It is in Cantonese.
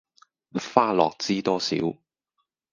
花落知多少